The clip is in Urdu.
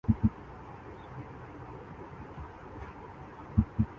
تو ایک بات لازم ہے۔